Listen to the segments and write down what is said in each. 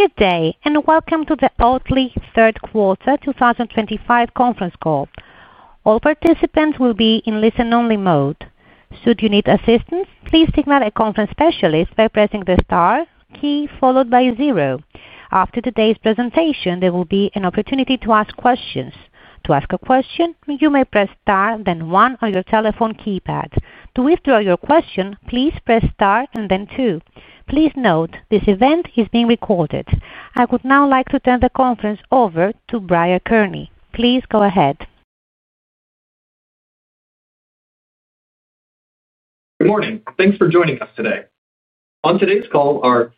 Good day and welcome to the Oatly Group AB Third Quarter 2025 Conference Call. All participants will be in listen-only mode. Should you need assistance, please signal a conference specialist by pressing the star key followed by zero. After today's presentation, there will be an opportunity to ask questions. To ask a question, you may press star then one on your telephone keypad. To withdraw your question, please press star and then two. Please note this event is being recorded. I would now like to turn the conference over to Brian Kearney. Please go ahead. Good morning. Thanks for joining us today. On today's call, our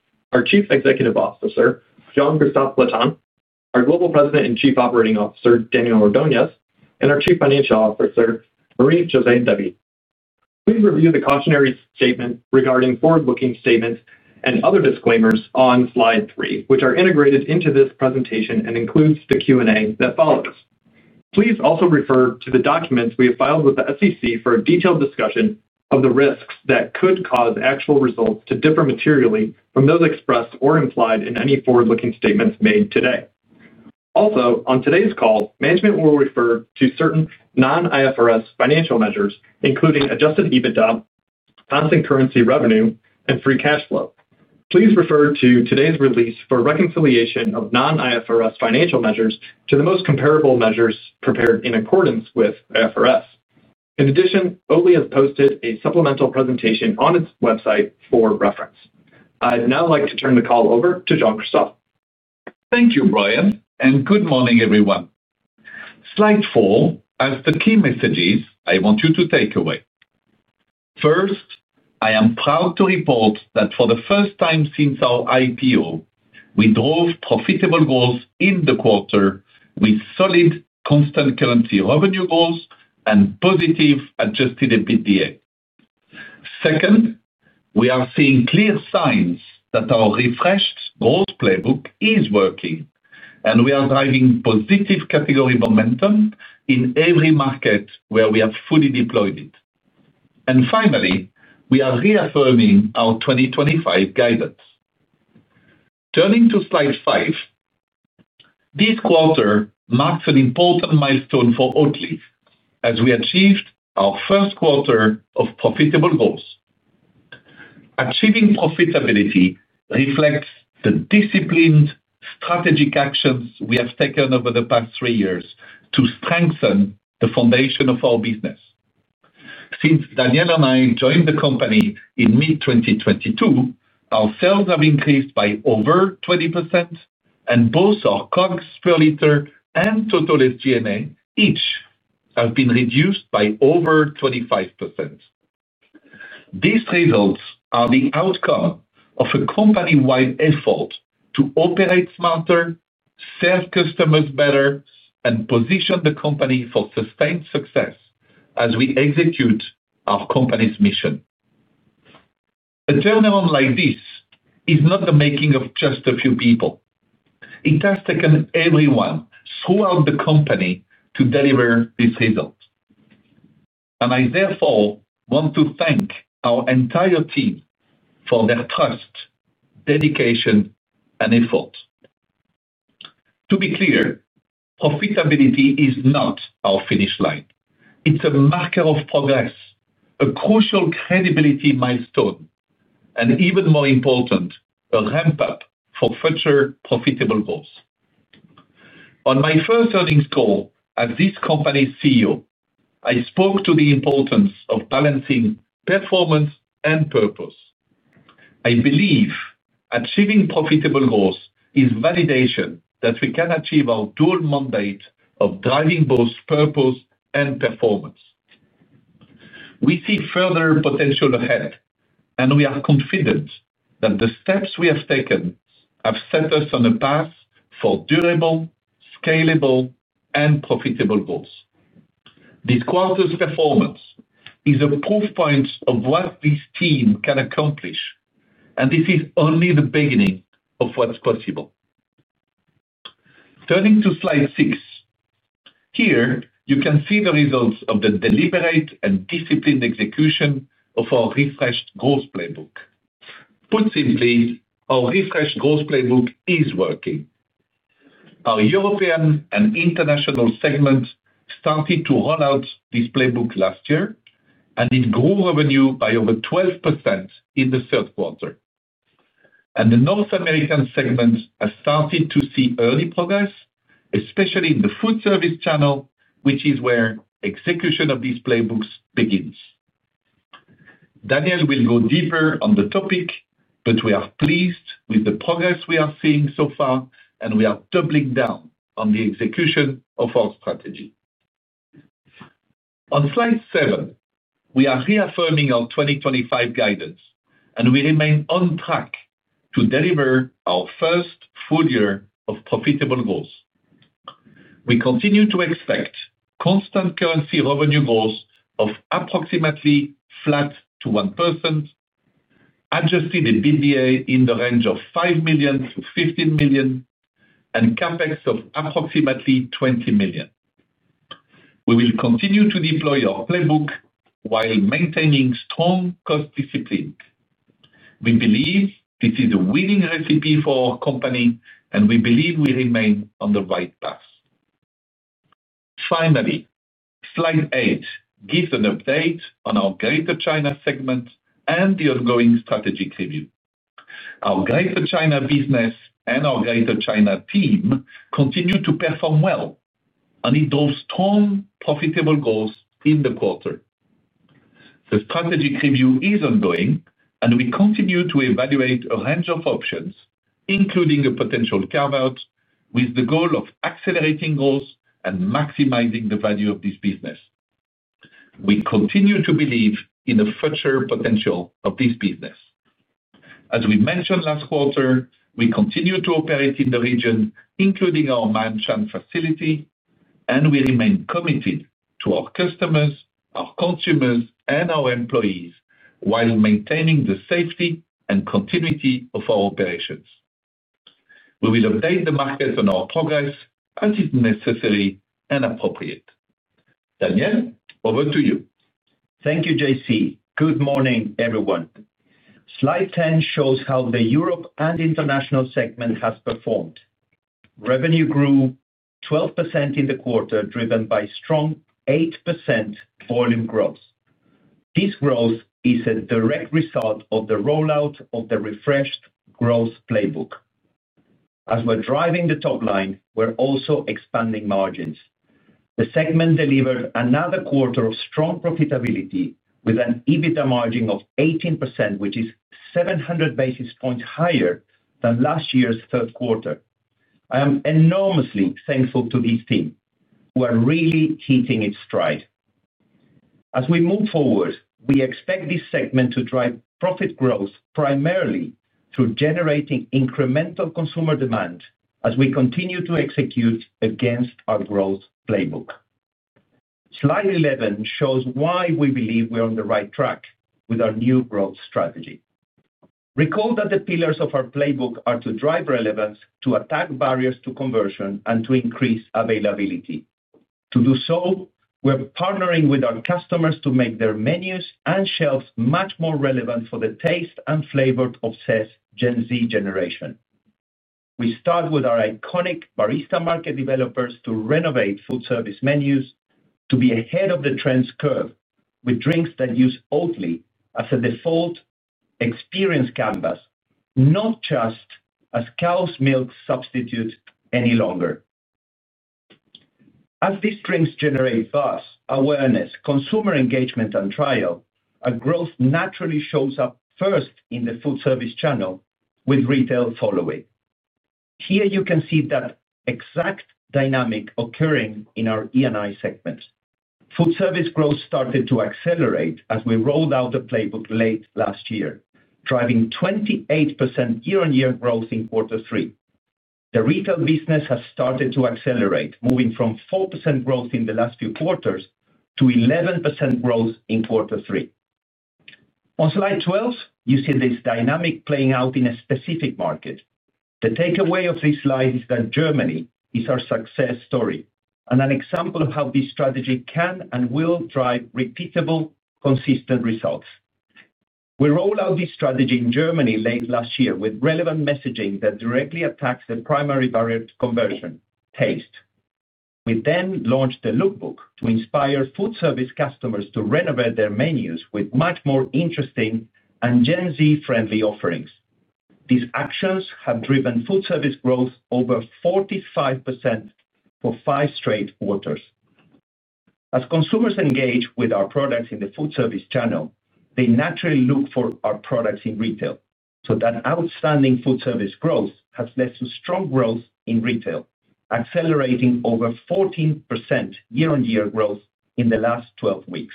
Chief Executive Officer, Jean-Christophe Flatin, our Global President and Chief Operating Officer, Daniel Ordoñez, and our Chief Financial Officer, Marie-José David. Please review the cautionary statement regarding forward-looking statements and other disclaimers on slide three, which are integrated into this presentation and include the Q&A that follows. Please also refer to the documents we have filed with the SEC for a detailed discussion of the risks that could cause actual results to differ materially from those expressed or implied in any forward-looking statements made today. Also, on today's call, management will refer to certain non-IFRS financial measures, including adjusted EBITDA, constant currency revenue, and free cash flow. Please refer to today's release for reconciliation of non-IFRS financial measures to the most comparable measures prepared in accordance with IFRS. In addition, Oatly has posted a supplemental presentation on its website for reference. I'd now like to turn the call over to Jean-Christophe. Thank you, Brian, and good morning, everyone. Slide four has the key messages I want you to take away. First, I am proud to report that for the first time since our IPO, we drove profitable goals in the quarter with solid constant currency revenue growth and positive adjusted EBITDA. Second, we are seeing clear signs that our refreshed growth playbook is working, and we are driving positive category momentum in every market where we have fully deployed it. Finally, we are reaffirming our 2025 guidance. Turning to slide five, this quarter marks an important milestone for Oatly Group AB as we achieved our first quarter of profitable goals. Achieving profitability reflects the disciplined strategic actions we have taken over the past three years to strengthen the foundation of our business. Since Daniel Ordoñez and I joined the company in mid-2022, our sales have increased by over 20%, and both our COGS per liter and total SG&A each have been reduced by over 25%. These results are the outcome of a company-wide effort to operate smarter, serve customers better, and position the company for sustained success as we execute our company's mission. A turnaround like this is not the making of just a few people. It has taken everyone throughout the company to deliver these results. I therefore want to thank our entire team for their trust, dedication, and effort. To be clear, profitability is not our finish line. It is a marker of progress, a crucial credibility milestone, and even more important, a ramp-up for future profitable goals. On my first earnings call as this company's CEO, I spoke to the importance of balancing performance and purpose. I believe achieving profitable goals is validation that we can achieve our dual mandate of driving both purpose and performance. We see further potential ahead, and we are confident that the steps we have taken have set us on a path for durable, scalable, and profitable goals. This quarter's performance is a proof point of what this team can accomplish, and this is only the beginning of what is possible. Turning to slide six, here you can see the results of the deliberate and disciplined execution of our refreshed growth playbook. Put simply, our refreshed growth playbook is working. Our European and international segments started to roll out this playbook last year, and it grew revenue by over 12% in the third quarter. The North American segments have started to see early progress, especially in the food service channel, which is where execution of these playbooks begins. Daniel will go deeper on the topic. We are pleased with the progress we are seeing so far, and we are doubling down on the execution of our strategy. On slide seven, we are reaffirming our 2025 guidance, and we remain on track to deliver our first full year of profitable goals. We continue to expect constant currency revenue goals of approximately flat to 1%, adjusted EBITDA in the range of $5 million-$15 million, and CapEX of approximately $20 million. We will continue to deploy our playbook while maintaining strong cost discipline. We believe this is a winning recipe for our company, and we believe we remain on the right path. Finally, slide eight gives an update on our Greater China segment and the ongoing strategic review. Our Greater China business and our Greater China team continue to perform well and it drove strong profitable goals in the quarter. The strategic review is ongoing, and we continue to evaluate a range of options, including a potential carve-out with the goal of accelerating growth and maximizing the value of this business. We continue to believe in the future potential of this business. As we mentioned last quarter, we continue to operate in the region, including our Manchang facility, and we remain committed to our customers, our consumers, and our employees while maintaining the safety and continuity of our operations. We will update the market on our progress as is necessary and appropriate. Daniel, over to you. Thank you, JC. Good morning, everyone. Slide 10 shows how the Europe and international segment has performed. Revenue grew 12% in the quarter, driven by strong 8% volume growth. This growth is a direct result of the rollout of the refreshed growth playbook. As we're driving the top line, we're also expanding margins. The segment delivered another quarter of strong profitability with an EBITDA margin of 18%, which is 700 basis points higher than last year's third quarter. I am enormously thankful to this team who are really hitting its stride. As we move forward, we expect this segment to drive profit growth primarily through generating incremental consumer demand as we continue to execute against our growth playbook. Slide 11 shows why we believe we're on the right track with our new growth strategy. Recall that the pillars of our playbook are to drive relevance, to attack barriers to conversion, and to increase availability. To do so, we're partnering with our customers to make their menus and shelves much more relevant for the taste and flavor-obsessed Gen Z generation. We start with our iconic barista market developers to renovate food service menus to be ahead of the trends curve with drinks that use Oatly as a default experience canvas, not just as cow's milk substitutes any longer. As these drinks generate buzz, awareness, consumer engagement, and trial, growth naturally shows up first in the food service channel with retail following. Here you can see that exact dynamic occurring in our E&I segments. Food service growth started to accelerate as we rolled out the playbook late last year, driving 28% year-on-year growth in quarter three. The retail business has started to accelerate, moving from 4% growth in the last few quarters to 11% growth in quarter three. On slide 12, you see this dynamic playing out in a specific market. The takeaway of this slide is that Germany is our success story and an example of how this strategy can and will drive repeatable, consistent results. We rolled out this strategy in Germany late last year with relevant messaging that directly attacks the primary barrier to conversion: taste. We then launched the lookbook to inspire food service customers to renovate their menus with much more interesting and Gen Z-friendly offerings. These actions have driven food service growth over 45% for five straight quarters. As consumers engage with our products in the food service channel, they naturally look for our products in retail. That outstanding food service growth has led to strong growth in retail, accelerating over 14% year-on-year growth in the last 12 weeks.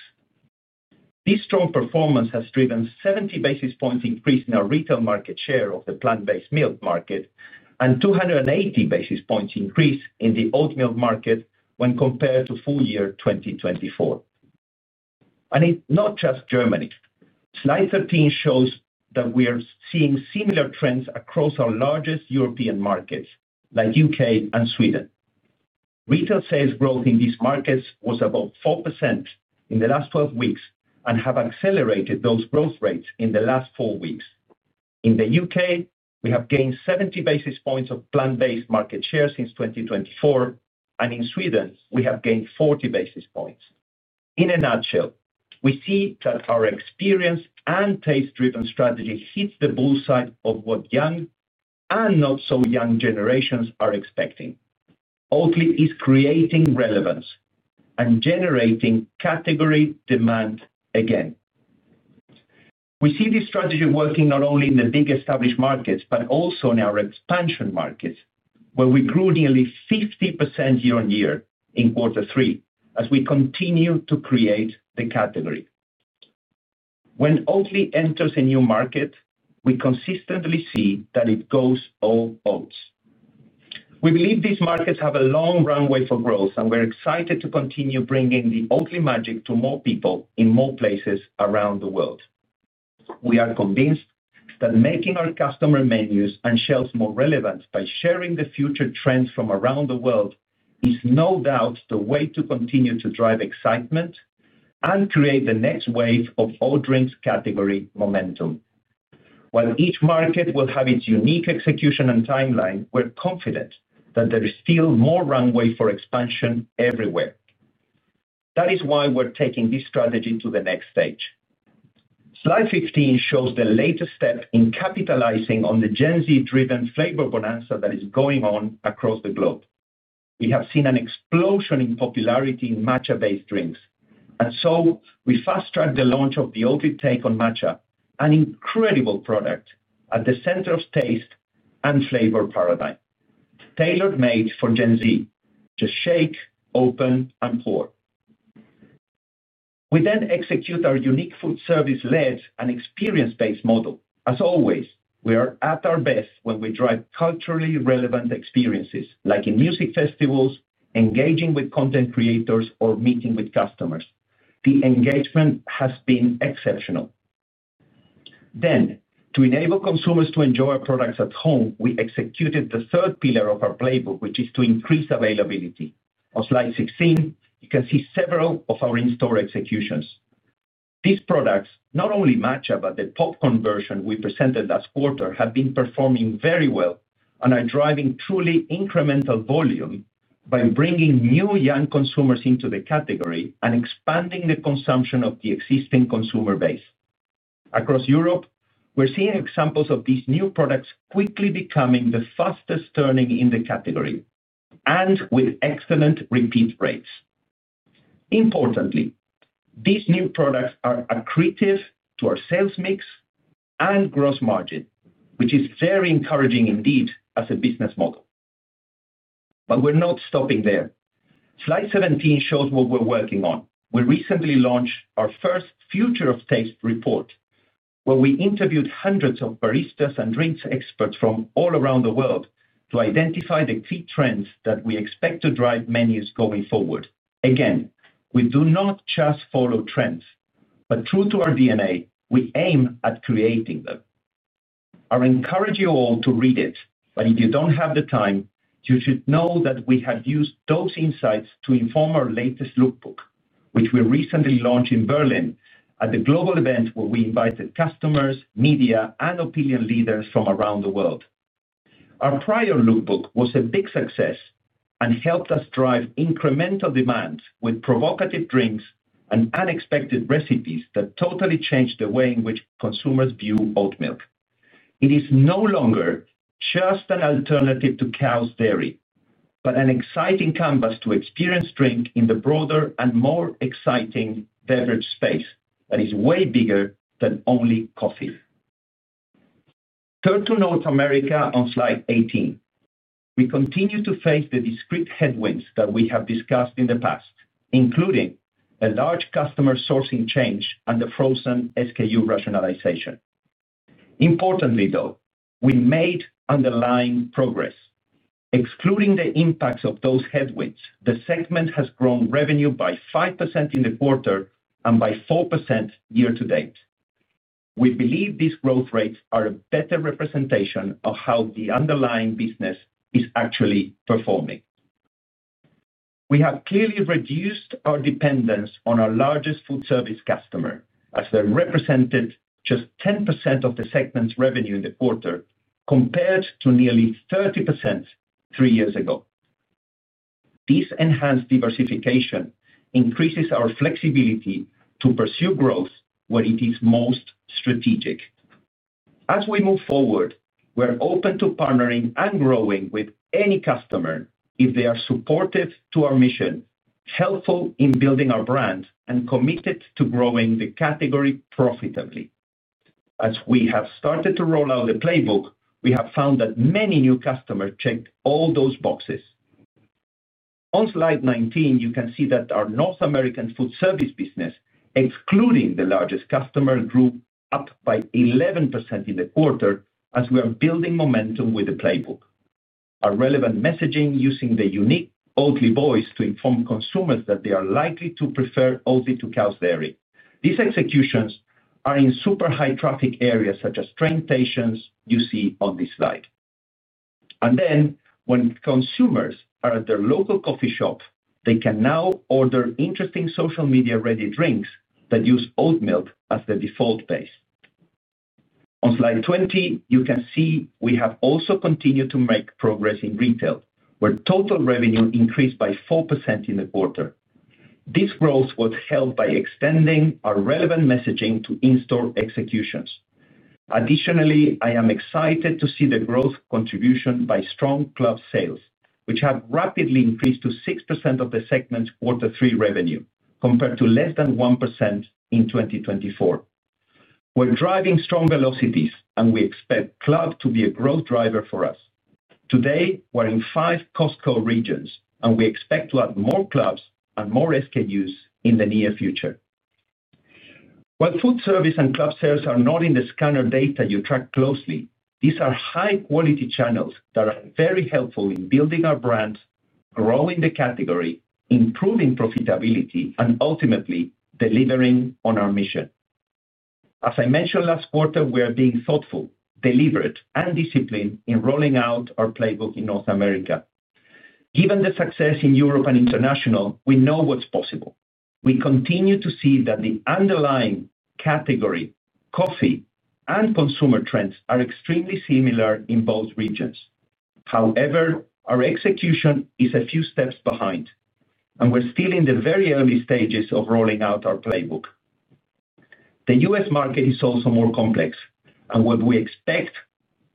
This strong performance has driven a 70 basis points increase in our retail market share of the plant-based milk market and a 280 basis points increase in the oat milk market when compared to full year 2024. It is not just Germany. Slide 13 shows that we are seeing similar trends across our largest European markets like the UK and Sweden. Retail sales growth in these markets was about 4% in the last 12 weeks and has accelerated those growth rates in the last four weeks. In the UK, we have gained 70 basis points of plant-based market share since 2024, and in Sweden, we have gained 40 basis points. In a nutshell, we see that our experience and taste-driven strategy hits the bull side of what young and not so young generations are expecting. Oatly is creating relevance and generating category demand again. We see this strategy working not only in the big established markets but also in our expansion markets, where we grew nearly 50% year-on-year in quarter three as we continue to create the category. When Oatly enters a new market, we consistently see that it goes all oats. We believe these markets have a long runway for growth, and we're excited to continue bringing the Oatly magic to more people in more places around the world. We are convinced that making our customer menus and shelves more relevant by sharing the future trends from around the world is no doubt the way to continue to drive excitement and create the next wave of all drinks category momentum. While each market will have its unique execution and timeline, we're confident that there is still more runway for expansion everywhere. That is why we're taking this strategy to the next stage. Slide 15 shows the latest step in capitalizing on the Gen Z-driven flavor bonanza that is going on across the globe. We have seen an explosion in popularity in matcha-based drinks, and so we fast-tracked the launch of the Oatly take on matcha, an incredible product at the center of taste and flavor paradigm, tailor-made for Gen Z. Just shake, open, and pour. We then execute our unique food service-led and experience-based model. As always, we are at our best when we drive culturally relevant experiences, like in music festivals, engaging with content creators, or meeting with customers. The engagement has been exceptional. To enable consumers to enjoy our products at home, we executed the third pillar of our playbook, which is to increase availability. On slide 16, you can see several of our in-store executions. These products, not only matcha but the popcorn version we presented last quarter, have been performing very well and are driving truly incremental volume by bringing new young consumers into the category and expanding the consumption of the existing consumer base. Across Europe, we're seeing examples of these new products quickly becoming the fastest turning in the category and with excellent repeat rates. Importantly, these new products are accretive to our sales mix and gross margin, which is very encouraging indeed as a business model. We're not stopping there. Slide 17 shows what we're working on. We recently launched our first Future of Taste report, where we interviewed hundreds of baristas and drinks experts from all around the world to identify the key trends that we expect to drive menus going forward. We do not just follow trends, but true to our DNA, we aim at creating them. I encourage you all to read it, but if you don't have the time, you should know that we have used those insights to inform our latest lookbook, which we recently launched in Berlin at the global event where we invited customers, media, and opinion leaders from around the world. Our prior lookbook was a big success and helped us drive incremental demand with provocative drinks and unexpected recipes that totally changed the way in which consumers view oat milk. It is no longer just an alternative to cow's dairy, but an exciting canvas to experience drink in the broader and more exciting beverage space that is way bigger than only coffee. Turn to North America on slide 18. We continue to face the discrete headwinds that we have discussed in the past, including a large customer sourcing change and the frozen SKU rationalization. Importantly, though, we made underlying progress. Excluding the impacts of those headwinds, the segment has grown revenue by 5% in the quarter and by 4% year to date. We believe these growth rates are a better representation of how the underlying business is actually performing. We have clearly reduced our dependence on our largest food service customer, as they represented just 10% of the segment's revenue in the quarter compared to nearly 30% three years ago. This enhanced diversification increases our flexibility to pursue growth where it is most strategic. As we move forward, we're open to partnering and growing with any customer if they are supportive to our mission, helpful in building our brand, and committed to growing the category profitably. As we have started to roll out the playbook, we have found that many new customers checked all those boxes. On slide 19, you can see that our North American food service business, excluding the largest customer group, is up by 11% in the quarter as we are building momentum with the playbook. Our relevant messaging using the unique Oatly voice to inform consumers that they are likely to prefer Oatly to cow's dairy. These executions are in super high-traffic areas such as train stations you see on this slide. When consumers are at their local coffee shop, they can now order interesting social media-ready drinks that use oat milk as the default base. On slide 20, you can see we have also continued to make progress in retail, where total revenue increased by 4% in the quarter. This growth was helped by extending our relevant messaging to in-store executions. Additionally, I am excited to see the growth contribution by strong club sales, which have rapidly increased to 6% of the segment's Q3 revenue compared to less than 1% in 2024. We're driving strong velocities, and we expect clubs to be a growth driver for us. Today, we're in five Costco regions, and we expect to add more clubs and more SKUs in the near future. While food service and club sales are not in the scanner data you track closely, these are high-quality channels that are very helpful in building our brands, growing the category, improving profitability, and ultimately delivering on our mission. As I mentioned last quarter, we are being thoughtful, deliberate, and disciplined in rolling out our playbook in North America. Given the success in Europe and international, we know what's possible. We continue to see that the underlying category, coffee, and consumer trends are extremely similar in both regions. However, our execution is a few steps behind, and we're still in the very early stages of rolling out our playbook. The U.S. market is also more complex, and what we expect,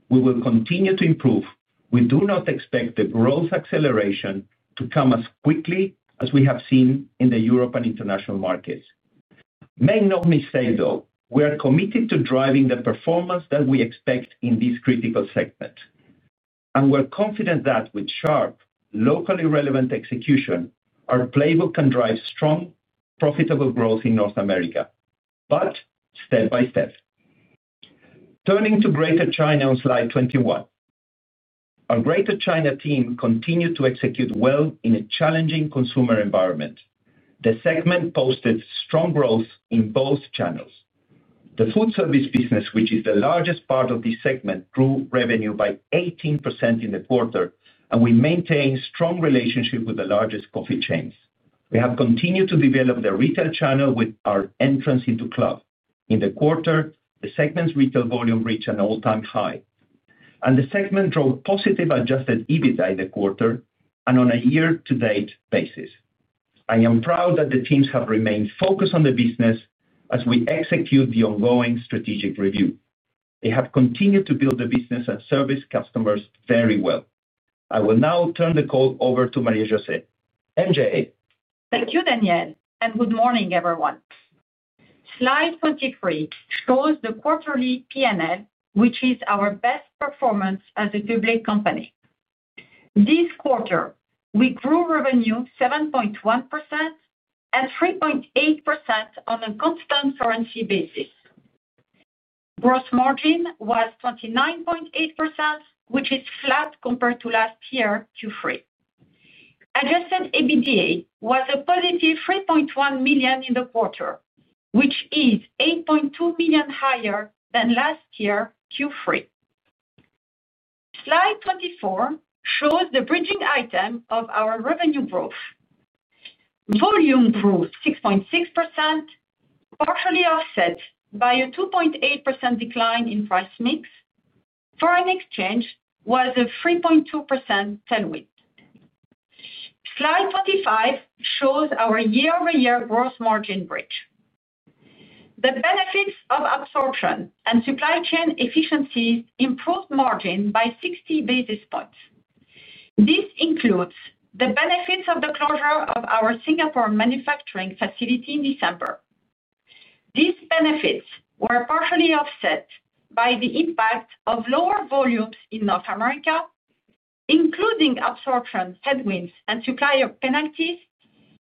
we will continue to improve. We do not expect the growth acceleration to come as quickly as we have seen in the Europe and international markets. Make no mistake, we are committed to driving the performance that we expect in this critical segment. We're confident that with sharp, locally relevant execution, our playbook can drive strong, profitable growth in North America, but step by step. Turning to Greater China on slide 21, our Greater China team continued to execute well in a challenging consumer environment. The segment posted strong growth in both channels. The food service business, which is the largest part of this segment, grew revenue by 18% in the quarter, and we maintained strong relationships with the largest coffee chains. We have continued to develop the retail channel with our entrance into club. In the quarter, the segment's retail volume reached an all-time high, and the segment drove positive adjusted EBITDA in the quarter and on a year-to-date basis. I am proud that the teams have remained focused on the business as we execute the ongoing strategic review. They have continued to build the business and service customers very well. I will now turn the call over to Marie-José David. Thank you, Daniel, and good morning, everyone. Slide 23 shows the quarterly P&L, which is our best performance as a public company. This quarter, we grew revenue 7.1% and 3.8% on a constant currency basis. Gross margin was 29.8%, which is flat compared to last year, Q3. Adjusted EBITDA was a positive $3.1 million in the quarter, which is $8.2 million higher than last year, Q3. Slide 24 shows the bridging item of our revenue growth. Volume grew 6.6%, partially offset by a 2.8% decline in price mix. Foreign exchange was a 3.2% tailwind. Slide 25 shows our year-over-year gross margin bridge. The benefits of absorption and supply chain efficiencies improved margin by 60 basis points. This includes the benefits of the closure of our Singapore manufacturing facility in December. These benefits were partially offset by the impact of lower volumes in North America, including absorption headwinds and supplier penalties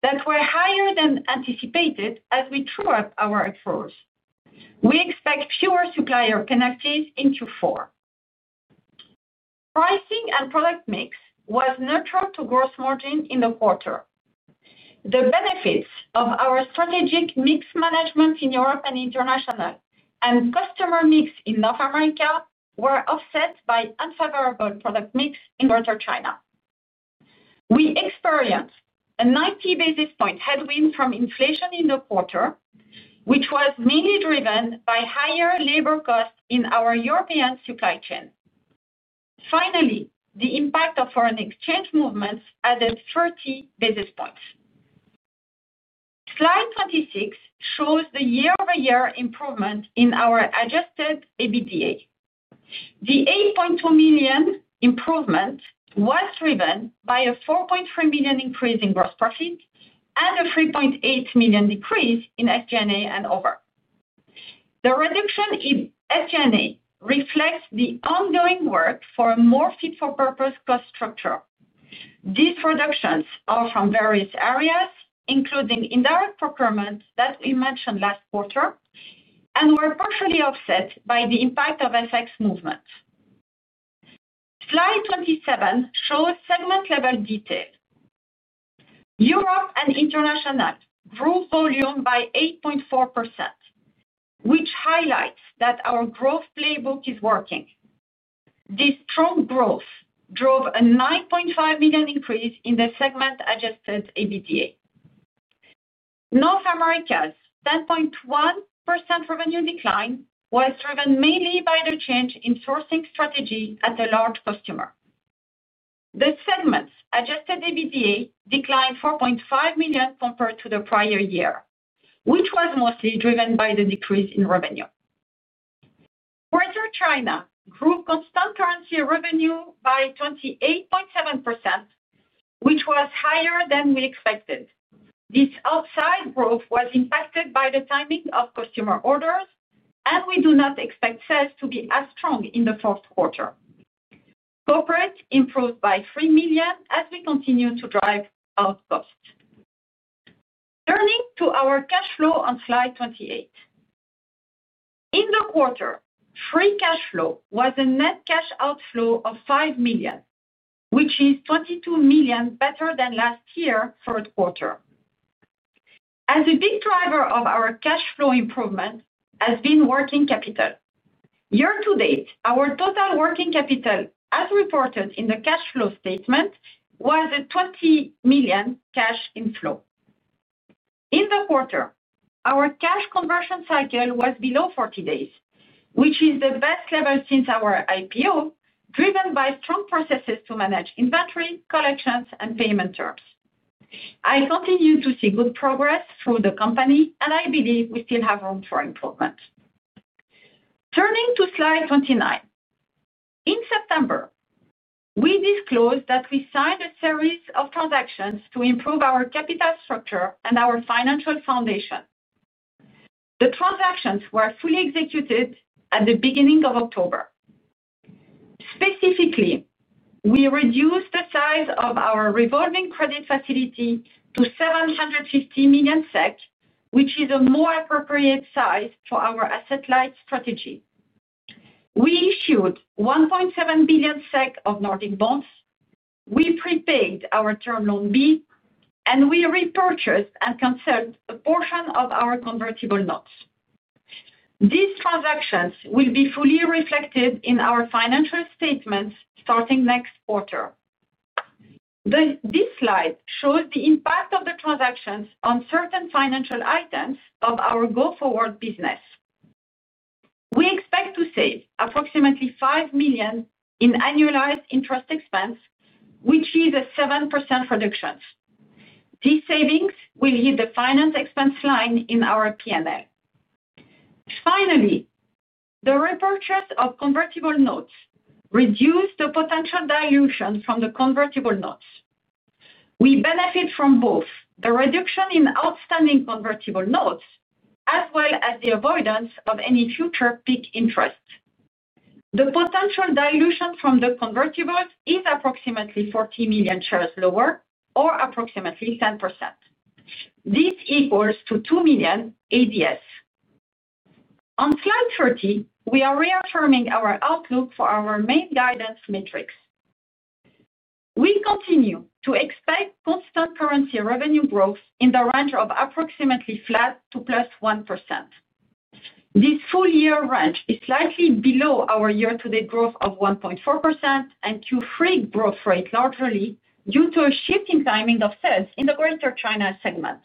that were higher than anticipated as we trued up our accruals. We expect fewer supplier penalties in Q4. Pricing and product mix was neutral to gross margin in the quarter. The benefits of our strategic mix management in Europe and international and customer mix in North America were offset by unfavorable product mix in Greater China. We experienced a 90 basis point headwind from inflation in the quarter, which was mainly driven by higher labor costs in our European supply chain. Finally, the impact of foreign exchange movements added 30 basis points. Slide 26 shows the year-over-year improvement in our adjusted EBITDA. The $8.2 million improvement was driven by a $4.3 million increase in gross profit and a $3.8 million decrease in SG&A and overhead. The reduction in SG&A reflects the ongoing work for a more fit-for-purpose cost structure. These reductions are from various areas, including indirect procurement that we mentioned last quarter and were partially offset by the impact of FX movements. Slide 27 shows segment-level detail. Europe and international grew volume by 8.4%, which highlights that our growth playbook is working. This strong growth drove a $9.5 million increase in the segment adjusted EBITDA. North America's 10.1% revenue decline was driven mainly by the change in sourcing strategy at the large customer. The segment's adjusted EBITDA declined $4.5 million compared to the prior year, which was mostly driven by the decrease in revenue. Greater China grew constant currency revenue by 28.7%, which was higher than we expected. This upside growth was impacted by the timing of customer orders, and we do not expect sales to be as strong in the fourth quarter. Corporate improved by $3 million as we continue to drive out costs. Turning to our cash flow on slide 28. In the quarter, free cash flow was a net cash outflow of $5 million, which is $22 million better than last year, third quarter. A big driver of our cash flow improvement has been working capital. Year to date, our total working capital, as reported in the cash flow statement, was a $20 million cash inflow. In the quarter, our cash conversion cycle was below 40 days, which is the best level since our IPO, driven by strong processes to manage inventory, collections, and payment terms. I continue to see good progress through the company, and I believe we still have room for improvement. Turning to slide 29. In September, we disclosed that we signed a series of transactions to improve our capital structure and our financial foundation. The transactions were fully executed at the beginning of October. Specifically, we reduced the size of our revolving credit facility to 750 million SEK, which is a more appropriate size for our asset-light strategy. We issued 1.7 billion SEK of Nordic bonds, we prepaid our term loan B, and we repurchased and canceled a portion of our convertible notes. These transactions will be fully reflected in our financial statements starting next quarter. This slide shows the impact of the transactions on certain financial items of our go-forward business. We expect to save approximately $5 million in annualized interest expense, which is a 7% reduction. These savings will hit the finance expense line in our P&L. Finally, the repurchase of convertible notes reduced the potential dilution from the convertible notes. We benefit from both the reduction in outstanding convertible notes as well as the avoidance of any future peak interest. The potential dilution from the convertibles is approximately 40 million shares lower or approximately 10%. This equals two million ADS. On slide 30, we are reaffirming our outlook for our main guidance matrix. We continue to expect constant currency revenue growth in the range of approximately flat to plus 1%. This full-year range is slightly below our year-to-date growth of 1.4% and Q3 growth rate largely due to a shift in timing of sales in the Greater China segment.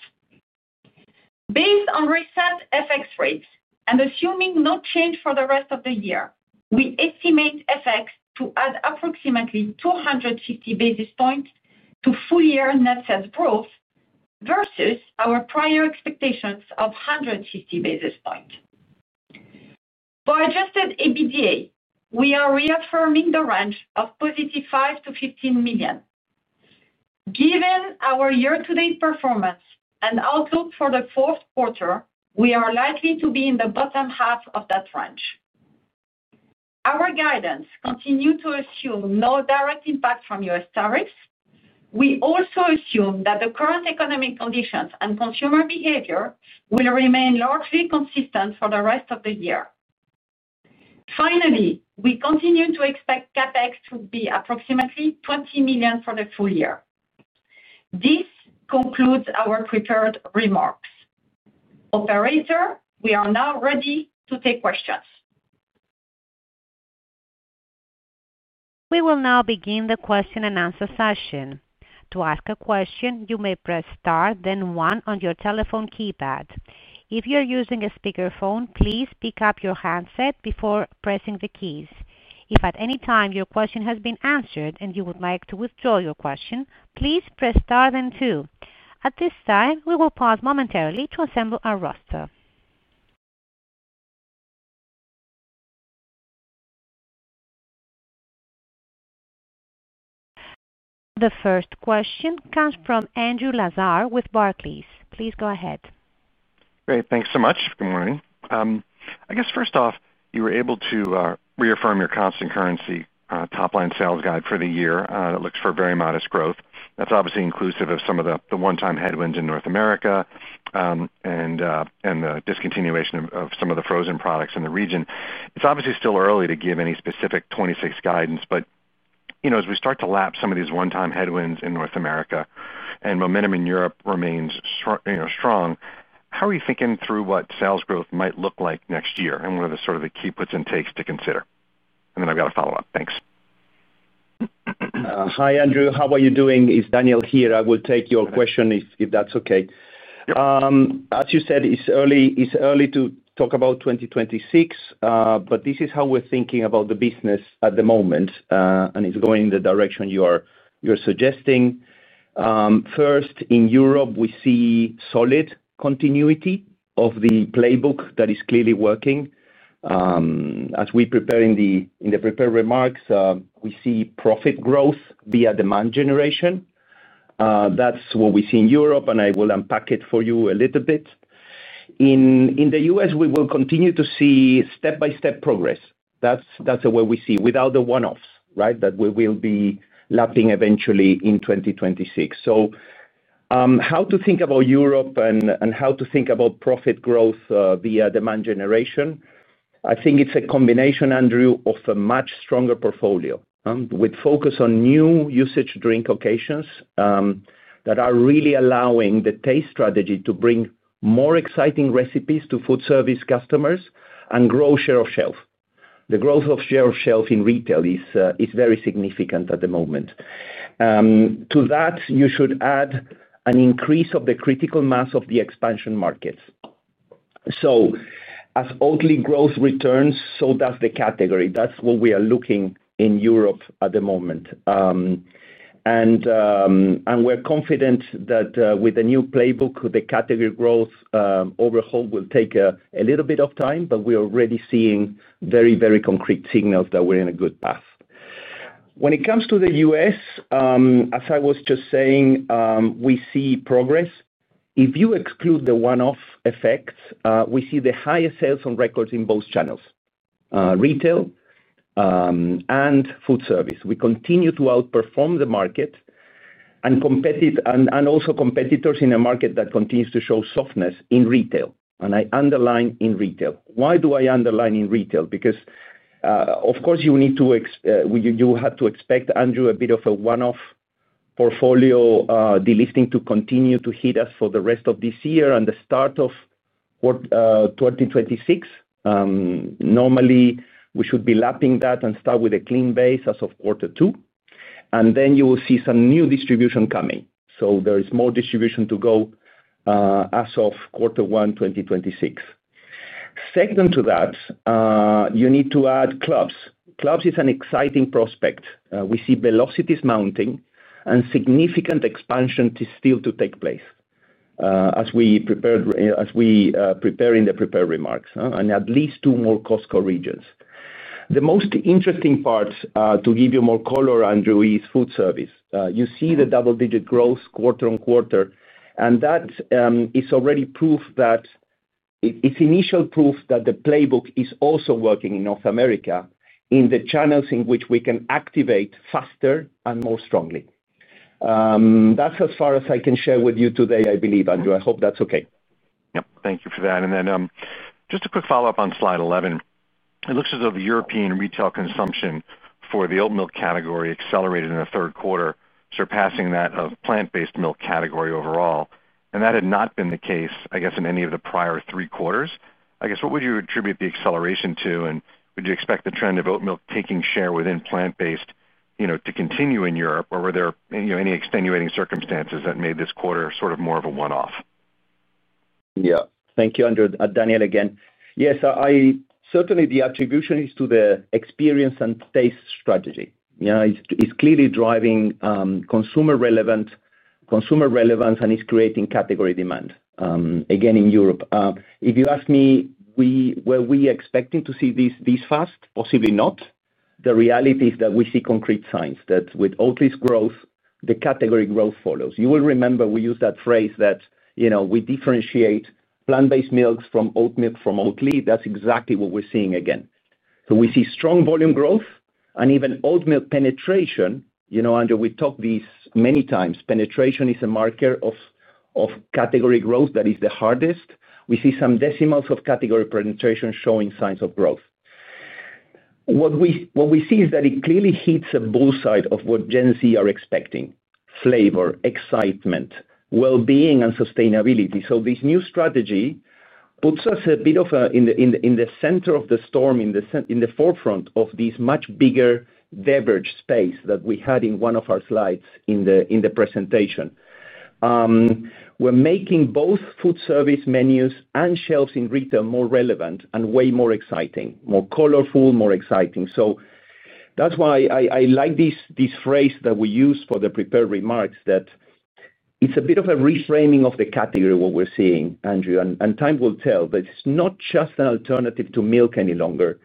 Based on recent FX rates and assuming no change for the rest of the year, we estimate FX to add approximately 250 basis points to full-year net sales growth versus our prior expectations of 150 basis points. For adjusted EBITDA, we are reaffirming the range of positive $5 million-$15 million. Given our year-to-date performance and outlook for the fourth quarter, we are likely to be in the bottom half of that range. Our guidance continues to assume no direct impact from U.S. tariffs. We also assume that the current economic conditions and consumer behavior will remain largely consistent for the rest of the year. Finally, we continue to expect CapEX to be approximately $20 million for the full year. This concludes our prepared remarks. Operator, we are now ready to take questions. We will now begin the question and answer session. To ask a question, you may press star, then one on your telephone keypad. If you're using a speakerphone, please pick up your handset before pressing the keys. If at any time your question has been answered and you would like to withdraw your question, please press star then two. At this time, we will pause momentarily to assemble our roster. The first question comes from Andrew Lazar with Barclays. Please go ahead. Great. Thanks so much. Good morning. I guess first off, you were able to reaffirm your constant currency, top-line sales guide for the year. It looks for very modest growth. That's obviously inclusive of some of the one-time headwinds in North America, and the discontinuation of some of the frozen products in the region. It's obviously still early to give any specific 2026 guidance, but you know, as we start to lapse some of these one-time headwinds in North America and momentum in Europe remains strong, how are you thinking through what sales growth might look like next year and what are the sort of the key puts and takes to consider? I've got a follow-up. Thanks. Hi, Andrew. How are you doing? It's Daniel here. I will take your question if that's okay. Yep. As you said, it's early to talk about 2026, but this is how we're thinking about the business at the moment, and it's going in the direction you are suggesting. First, in Europe, we see solid continuity of the playbook that is clearly working. As we prepared in the prepared remarks, we see profit growth via demand generation. That's what we see in Europe, and I will unpack it for you a little bit. In the U.S., we will continue to see step-by-step progress. That's the way we see it without the one-offs, right, that we will be lapping eventually in 2026. How to think about Europe and how to think about profit growth via demand generation? I think it's a combination, Andrew, of a much stronger portfolio with focus on new usage drink occasions that are really allowing the taste strategy to bring more exciting recipes to food service customers and grow share of shelf. The growth of share of shelf in retail is very significant at the moment. To that, you should add an increase of the critical mass of the expansion markets. As Oatly growth returns, so does the category. That's what we are looking at in Europe at the moment. We're confident that with the new playbook, the category growth overhaul will take a little bit of time, but we are already seeing very, very concrete signals that we're on a good path. When it comes to the U.S., as I was just saying, we see progress. If you exclude the one-off effects, we see the highest sales on record in both channels: retail and food service. We continue to outperform the market and also competitors in a market that continues to show softness in retail. I underline in retail. Why do I underline in retail? Because, of course, you have to expect, Andrew, a bit of a one-off portfolio delisting to continue to hit us for the rest of this year and the start of quarter 2026. Normally, we should be lapping that and start with a clean base as of quarter two. You will see some new distribution coming. There is more distribution to go as of quarter one, 2026. Second to that, you need to add clubs. Clubs is an exciting prospect. We see velocities mounting and significant expansion still to take place as we prepared in the prepared remarks and at least two more Costco regions. The most interesting part to give you more color, Andrew, is food service. You see the double-digit growth quarter on quarter, and that is already proof that it's initial proof that the playbook is also working in North America in the channels in which we can activate faster and more strongly. That's as far as I can share with you today, I believe, Andrew. I hope that's okay. Thank you for that. Just a quick follow-up on slide 11. It looks as though the European retail consumption for the oat milk category accelerated in the third quarter, surpassing that of the plant-based milk category overall. That had not been the case in any of the prior three quarters. What would you attribute the acceleration to, and would you expect the trend of oat milk taking share within plant-based to continue in Europe, or were there any extenuating circumstances that made this quarter more of a one-off? Yeah. Thank you, Andrew. Daniel again. Yes, certainly, the attribution is to the experience and taste strategy. It's clearly driving consumer relevance and is creating category demand again in Europe. If you ask me, were we expecting to see this this fast? Possibly not. The reality is that we see concrete signs that with Oatly's growth, the category growth follows. You will remember we used that phrase that, you know, we differentiate plant-based milks from oat milk from Oatly. That's exactly what we're seeing again. We see strong volume growth and even oat milk penetration. You know, Andrew, we talked this many times. Penetration is a marker of category growth that is the hardest. We see some decimals of category penetration showing signs of growth. What we see is that it clearly hits a bull side of what Gen Z are expecting: flavor, excitement, well-being, and sustainability. This new strategy puts us a bit in the center of the storm, in the forefront of this much bigger beverage space that we had in one of our slides in the presentation. We're making both food service menus and shelves in retail more relevant and way more exciting, more colorful, more exciting. That's why I like this phrase that we used for the prepared remarks that it's a bit of a reframing of the category of what we're seeing, Andrew. Time will tell that it's not just an alternative to milk any longer,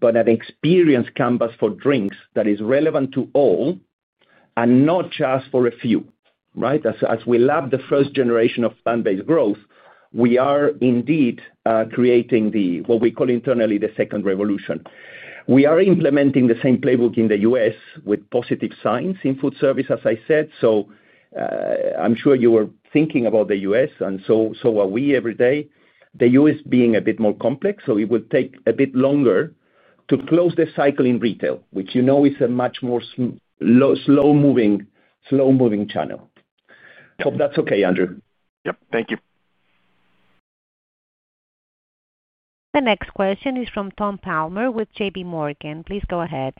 but an experience canvas for drinks that is relevant to all and not just for a few. Right? As we lapse the first generation of plant-based growth, we are indeed creating what we call internally the second revolution. We are implementing the same playbook in the U.S. with positive signs in food service, as I said. I'm sure you were thinking about the U.S., and so are we every day. The U.S. being a bit more complex, it will take a bit longer to close the cycle in retail, which you know is a much more slow-moving channel. Hope that's okay, Andrew. Thank you. The next question is from Tom Palmer with J.P. Morgan. Please go ahead.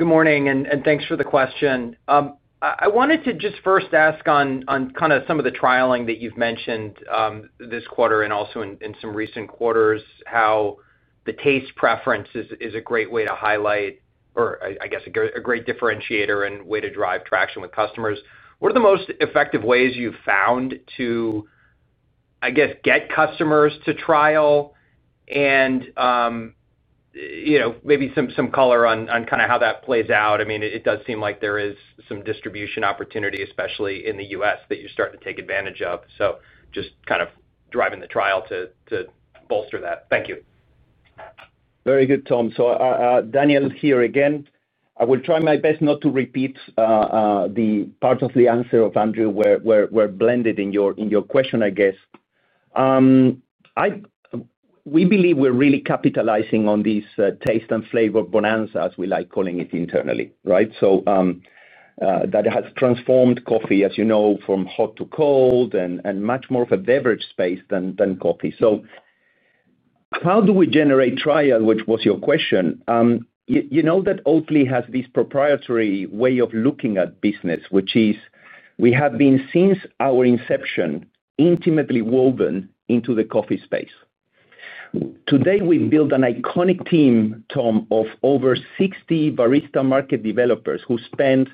Good morning, and thanks for the question. I wanted to just first ask on some of the trialing that you've mentioned this quarter and also in some recent quarters, how the taste preference is a great way to highlight, or I guess, a great differentiator and way to drive traction with customers. What are the most effective ways you've found to get customers to trial and maybe some color on how that plays out? It does seem like there is some distribution opportunity, especially in the U.S., that you start to take advantage of. Just driving the trial to bolster that. Thank you. Very good, Tom. Daniel here again. I will try my best not to repeat the part of the answer of Andrew where we're blended in your question, I guess. We believe we're really capitalizing on this taste and flavor bonanza, as we like calling it internally, right? That has transformed coffee, as you know, from hot to cold and much more of a beverage space than coffee. How do we generate trial, which was your question? You know that Oatly has this proprietary way of looking at business, which is we have been, since our inception, intimately woven into the coffee space. Today, we've built an iconic team, Tom, of over 60 barista market developers who spend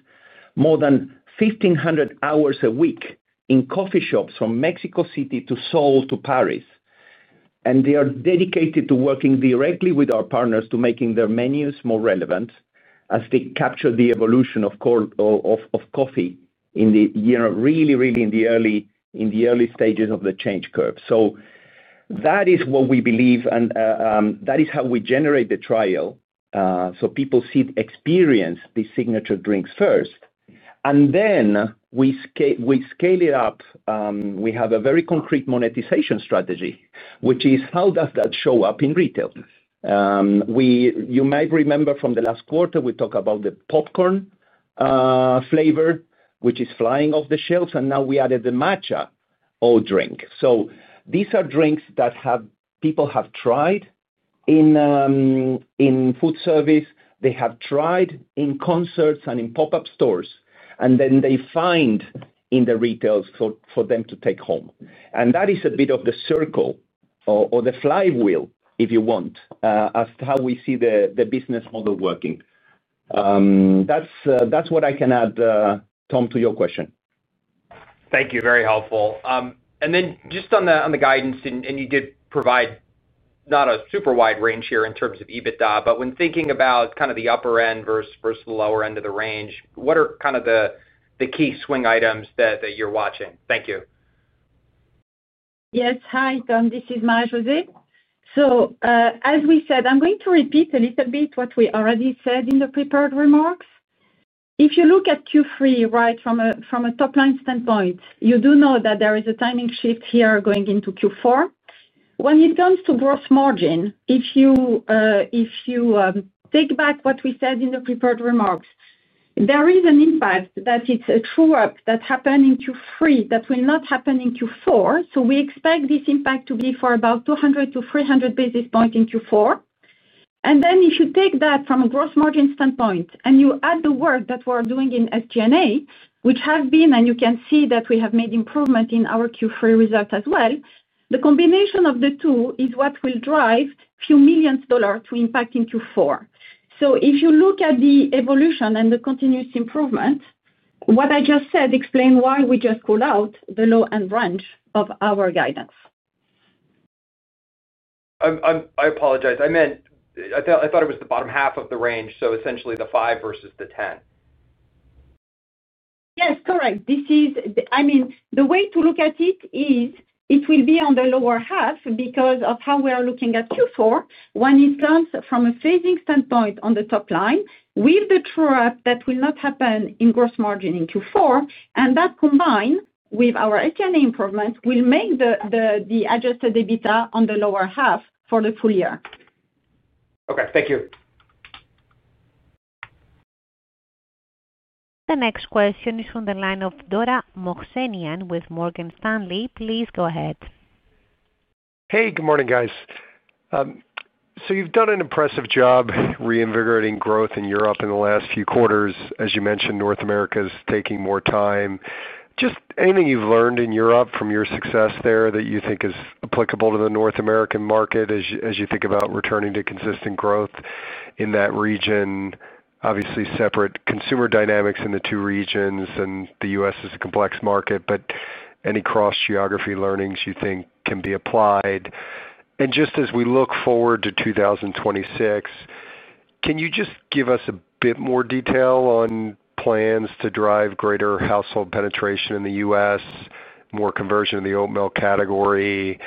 more than 1,500 hours a week in coffee shops from Mexico City to Seoul to Paris. They are dedicated to working directly with our partners to making their menus more relevant as they capture the evolution of coffee in the year, really, really in the early stages of the change curve. That is what we believe, and that is how we generate the trial. People experience these signature drinks first, and then we scale it up. We have a very concrete monetization strategy, which is how does that show up in retail? You might remember from the last quarter, we talked about the popcorn-flavored oat drink, which is flying off the shelves, and now we added the matcha oat drink. These are drinks that people have tried in food service. They have tried in concerts and in pop-up stores, and then they find in the retails for them to take home. That is a bit of the circle or the flywheel if you want as to how we see the business model working. That's what I can add, Tom, to your question. Thank you. Very helpful. Just on the guidance, you did provide not a super wide range here in terms of EBITDA, but when thinking about the upper end versus the lower end of the range, what are the key swing items that you're watching? Thank you. Yes. Hi, Tom. This is Marie-José. As we said, I'm going to repeat a little bit what we already said in the prepared remarks. If you look at Q3, right, from a top-line standpoint, you do know that there is a timing shift here going into Q4. When it comes to gross margin, if you take back what we said in the prepared remarks, there is an impact that is a true-up that happened in Q3 that will not happen in Q4. We expect this impact to be for about 200 to 300 basis points in Q4. If you take that from a gross margin standpoint and you add the work that we're doing in SG&A, which has been, and you can see that we have made improvement in our Q3 result as well, the combination of the two is what will drive a few millions of dollars to impact in Q4. If you look at the evolution and the continuous improvement, what I just said explains why we just called out the low-end range of our guidance. I apologize. I meant I thought it was the bottom half of the range, so essentially the 5% versus the 10%. Yes, correct. This is, I mean, the way to look at it is it will be on the lower half because of how we are looking at Q4. When it comes from a phasing standpoint on the top line, with the true up that will not happen in gross margin in Q4, and that combined with our SG&A improvements will make the adjusted EBITDA on the lower half for the full year. Okay, thank you. The next question is from the line of Dara Mohsenian with Morgan Stanley. Please go ahead. Hey, good morning, guys. You've done an impressive job reinvigorating growth in Europe in the last few quarters. As you mentioned, North America is taking more time. Is there anything you've learned in Europe from your success there that you think is applicable to the North American market as you think about returning to consistent growth in that region? Obviously, separate consumer dynamics in the two regions, and the U.S. is a complex market, but any cross-geography learnings you think can be applied? As we look forward to 2026, can you give us a bit more detail on plans to drive greater household penetration in the U.S., more conversion in the oat milk category?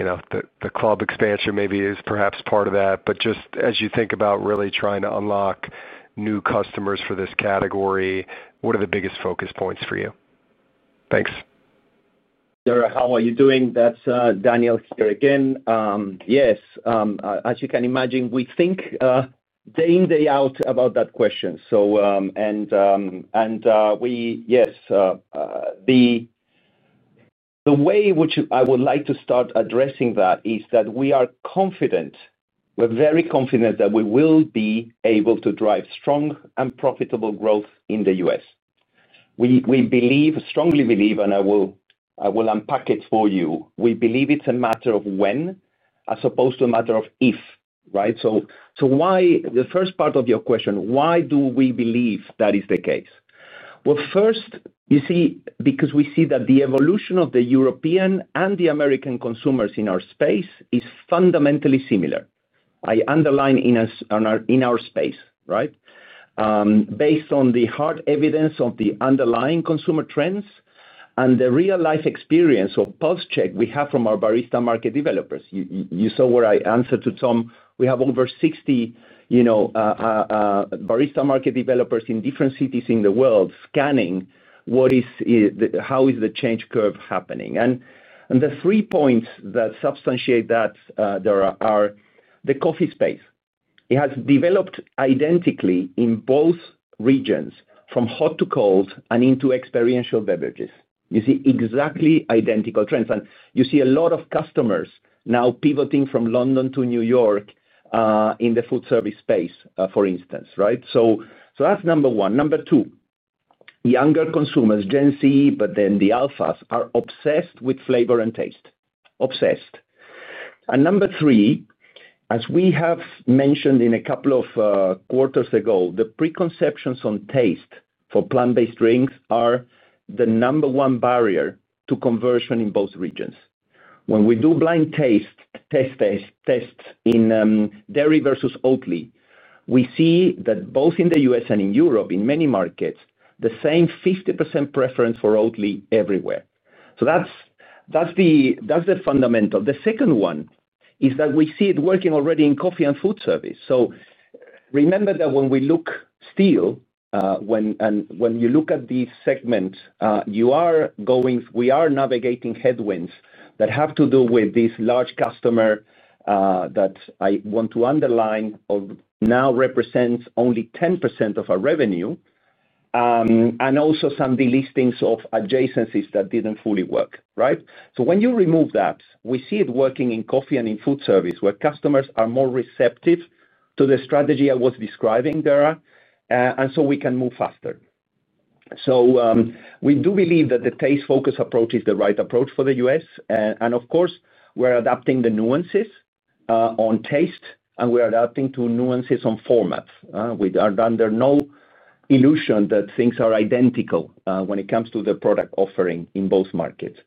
The club expansion maybe is perhaps part of that, but as you think about really trying to unlock new customers for this category, what are the biggest focus points for you? Thanks. Dara, how are you doing? That's Daniel here again. Yes, as you can imagine, we think day in, day out about that question. Yes, the way in which I would like to start addressing that is that we are confident, we're very confident that we will be able to drive strong and profitable growth in the U.S. We believe, strongly believe, and I will unpack it for you. We believe it's a matter of when as opposed to a matter of if, right? The first part of your question, why do we believe that is the case? First, you see, because we see that the evolution of the European and the American consumers in our space is fundamentally similar. I underline in our space, right? Based on the hard evidence of the underlying consumer trends and the real-life experience of pulse check we have from our barista market developers. You saw where I answered to Tom. We have over 60 barista market developers in different cities in the world scanning what is, how is the change curve happening. The three points that substantiate that are the coffee space. It has developed identically in both regions, from hot to cold and into experiential beverages. You see exactly identical trends. You see a lot of customers now pivoting from London to New York in the food service space, for instance, right? That's number one. Number two, younger consumers, Gen Z, but then the alphas, are obsessed with flavor and taste. Obsessed. Number three, as we have mentioned a couple of quarters ago, the preconceptions on taste for plant-based drinks are the number one barrier to conversion in both regions. When we do blind taste tests in dairy versus Oatly, we see that both in the U.S. and in Europe, in many markets, the same 50% preference for Oatly everywhere. That's the fundamental. The second one is that we see it working already in coffee and food service. Remember that when we look still, when you look at these segments, we are navigating headwinds that have to do with this large customer that I want to underline now represents only 10% of our revenue and also some delistings of adjacencies that didn't fully work, right? When you remove that, we see it working in coffee and in food service where customers are more receptive to the strategy I was describing, Dara, and we can move faster. We do believe that the taste-focused approach is the right approach for the U.S. Of course, we're adapting the nuances on taste, and we're adapting to nuances on format. We are under no illusion that things are identical when it comes to the product offering in both markets.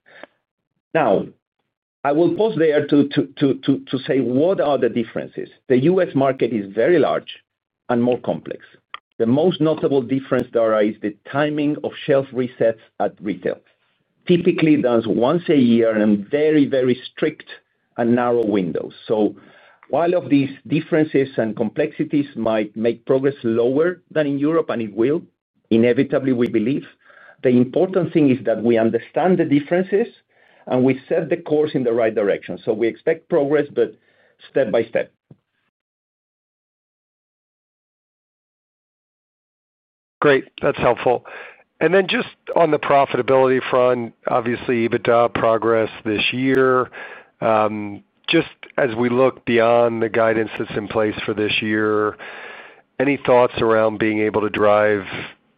I will pause there to say what are the differences. The U.S. market is very large and more complex. The most notable difference, Dara, is the timing of shelf resets at retail. Typically, that's once a year and very, very strict and narrow windows. While these differences and complexities might make progress lower than in Europe, and it will, inevitably, we believe the important thing is that we understand the differences and we set the course in the right direction. We expect progress, but step by step. Great. That's helpful. Just on the profitability front, obviously, EBITDA progress this year. As we look beyond the guidance that's in place for this year, any thoughts around being able to drive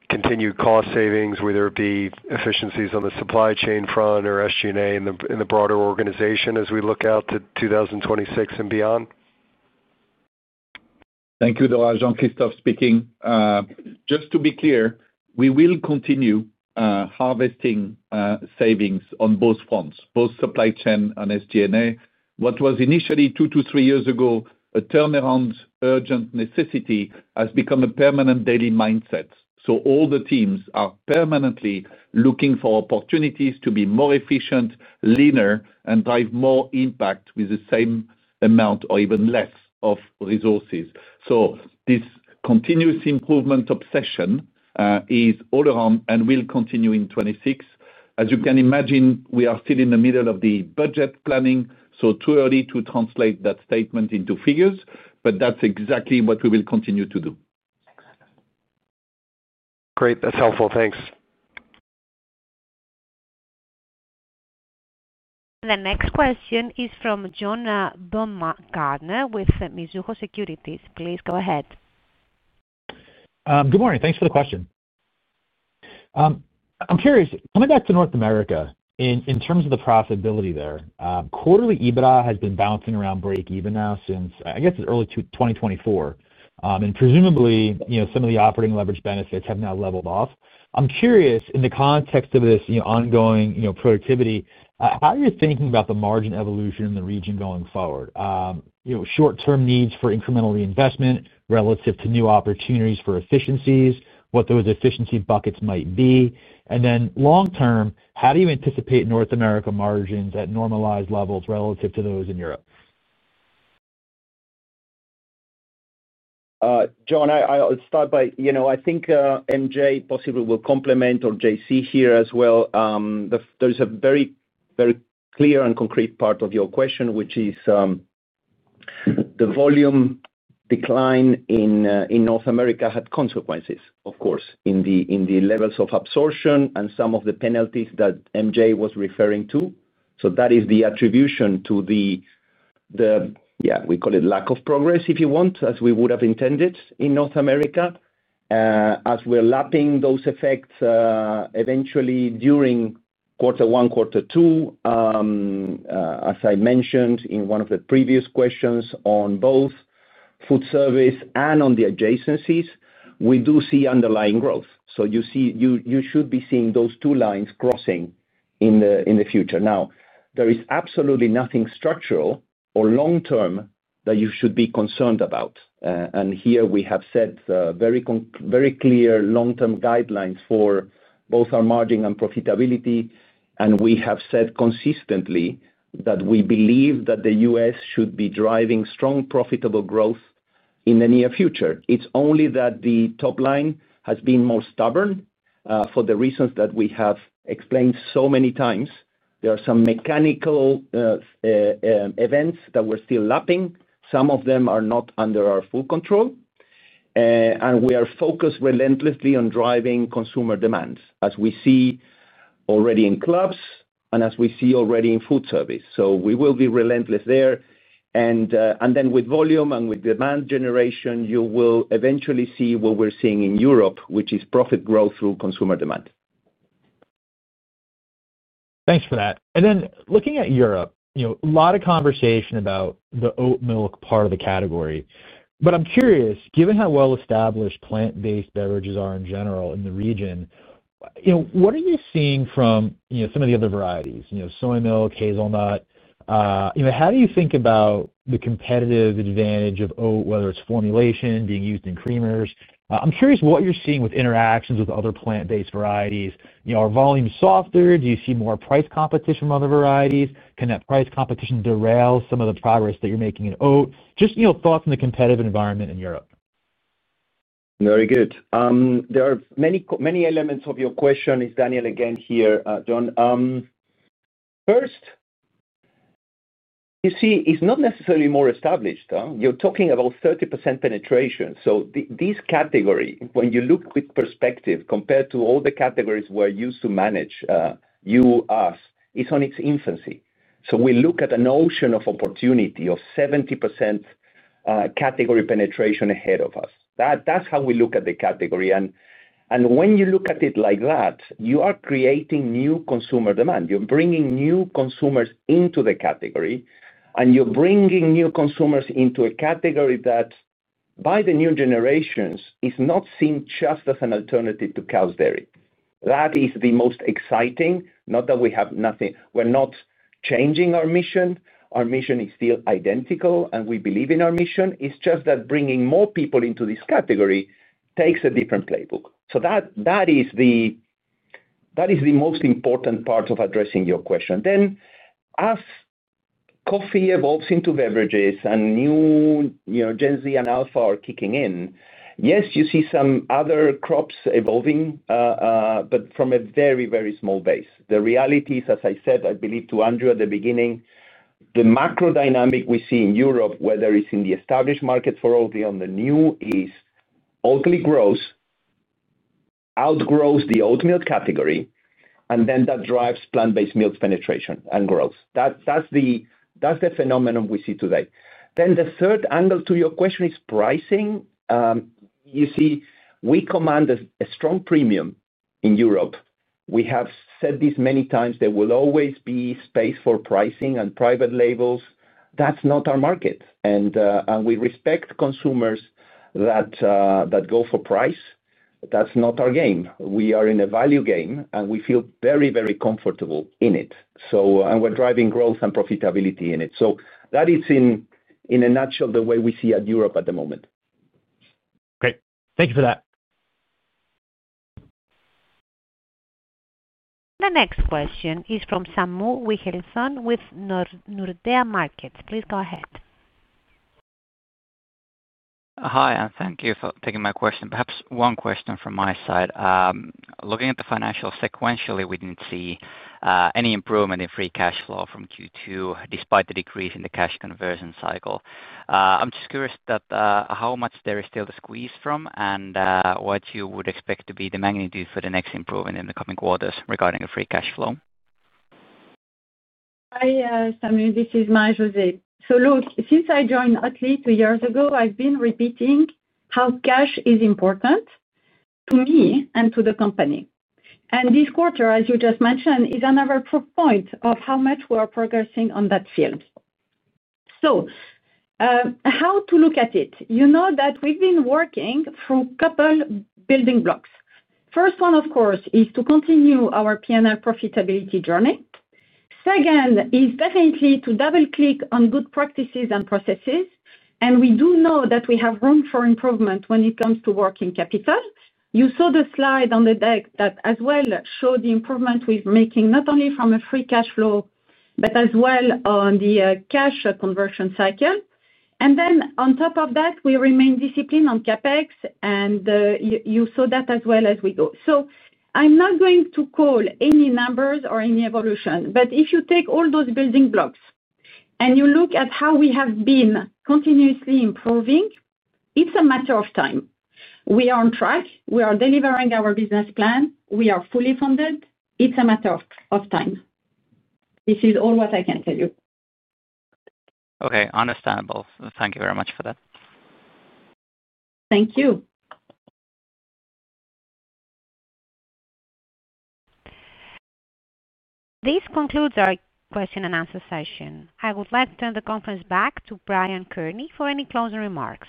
continued cost savings, whether it be efficiencies on the supply chain front or SG&A in the broader organization as we look out to 2026 and beyond? Thank you, Dara. Jean-Christophe speaking. Just to be clear, we will continue harvesting savings on both fronts, both supply chain and SG&A. What was initially two to three years ago a turnaround urgent necessity has become a permanent daily mindset. All the teams are permanently looking for opportunities to be more efficient, leaner, and drive more impact with the same amount or even less of resources. This continuous improvement obsession is all around and will continue in 2026. As you can imagine, we are still in the middle of the budget planning, so too early to translate that statement into figures, but that's exactly what we will continue to do. Great. That's helpful. Thanks. The next question is from John Baumgartner with Mizuho Securities. Please go ahead. Good morning. Thanks for the question. I'm curious, coming back to North America, in terms of the profitability there, quarterly EBITDA has been bouncing around break even now since, I guess, it's early 2024. Presumably, some of the operating leverage benefits have now leveled off. I'm curious, in the context of this ongoing productivity, how are you thinking about the margin evolution in the region going forward? Short-term needs for incremental reinvestment relative to new opportunities for efficiencies, what those efficiency buckets might be. Long-term, how do you anticipate North America margins at normalized levels relative to those in Europe? John, I'll start by, I think MJ possibly will complement or JC here as well. There's a very, very clear and concrete part of your question, which is the volume decline in North America had consequences, of course, in the levels of absorption and some of the penalties that MJ was referring to. That is the attribution to the, yeah, we call it lack of progress, if you want, as we would have intended in North America. As we're lapping those effects, eventually during quarter one, quarter two, as I mentioned in one of the previous questions on both food service and on the adjacencies, we do see underlying growth. You should be seeing those two lines crossing in the future. There is absolutely nothing structural or long-term that you should be concerned about. We have set very clear long-term guidelines for both our margin and profitability. We have said consistently that we believe that the U.S. should be driving strong profitable growth in the near future. It's only that the top line has been more stubborn for the reasons that we have explained so many times. There are some mechanical events that we're still lapping. Some of them are not under our full control. We are focused relentlessly on driving consumer demands, as we see already in clubs and as we see already in food service. We will be relentless there. With volume and with demand generation, you will eventually see what we're seeing in Europe, which is profit growth through consumer demand. Thanks for that. Looking at Europe, a lot of conversation about the oat milk part of the category. I'm curious, given how well-established plant-based beverages are in general in the region, what are you seeing from some of the other varieties? Soy milk, hazelnut. How do you think about the competitive advantage of oat, whether it's formulation, being used in creamers? I'm curious what you're seeing with interactions with other plant-based varieties. Are volumes softer? Do you see more price competition from other varieties? Can that price competition derail some of the progress that you're making in oat? Just thoughts in the competitive environment in Europe. Very good. There are many elements of your question. It's Daniel again here, John. First, you see, it's not necessarily more established. You're talking about 30% penetration. This category, when you look with perspective compared to all the categories we're used to manage, you, us, is in its infancy. We look at an ocean of opportunity of 70% category penetration ahead of us. That's how we look at the category. When you look at it like that, you are creating new consumer demand. You're bringing new consumers into the category, and you're bringing new consumers into a category that by the new generations is not seen just as an alternative to cow's dairy. That is the most exciting, not that we have nothing. We're not changing our mission. Our mission is still identical, and we believe in our mission. It's just that bringing more people into this category takes a different playbook. That is the most important part of addressing your question. As coffee evolves into beverages and new Gen Z and alpha are kicking in, yes, you see some other crops evolving, but from a very, very small base. The reality is, as I said, I believe to Andrew at the beginning, the macro dynamic we see in Europe, whether it's in the established market for Oatly or the new, is Oatly outgrows the oat milk category, and that drives plant-based milk's penetration and growth. That's the phenomenon we see today. The third angle to your question is pricing. You see, we command a strong premium in Europe. We have said this many times. There will always be space for pricing and private labels. That's not our market. We respect consumers that go for price. That's not our game. We are in a value game, and we feel very, very comfortable in it. We're driving growth and profitability in it. That is, in a nutshell, the way we see Europe at the moment. Great, thank you for that. The next question is from Samu Wilhelmsson with Nordea Markets. Please go ahead. Hi, and thank you for taking my question. Perhaps one question from my side. Looking at the financials sequentially, we didn't see any improvement in free cash flow from Q2 despite the decrease in the cash conversion cycle. I'm just curious how much there is still to squeeze from and what you would expect to be the magnitude for the next improvement in the coming quarters regarding the free cash flow. Hi, Samu. This is Marie-José. Look, since I joined Oatly two years ago, I've been repeating how cash is important to me and to the company. This quarter, as you just mentioned, is another proof point of how much we are progressing on that field. How to look at it? You know that we've been working through a couple of building blocks. First one, of course, is to continue our P&L profitability journey. Second is definitely to double-click on good practices and processes. We do know that we have room for improvement when it comes to working capital. You saw the slide on the deck that as well showed the improvement we're making not only from a free cash flow, but as well on the cash conversion cycle. On top of that, we remain disciplined on CapEX, and you saw that as well as we go. I'm not going to call any numbers or any evolution, but if you take all those building blocks and you look at how we have been continuously improving, it's a matter of time. We are on track. We are delivering our business plan. We are fully funded. It's a matter of time. This is all what I can tell you. Okay, understandable. Thank you very much for that. Thank you. This concludes our question and answer session. I would like to turn the conference back to Brian Kearney for any closing remarks.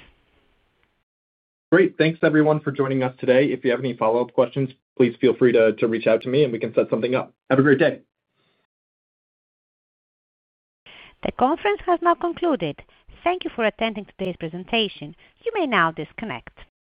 Great. Thanks, everyone, for joining us today. If you have any follow-up questions, please feel free to reach out to me, and we can set something up. Have a great day. The conference has now concluded. Thank you for attending today's presentation. You may now disconnect.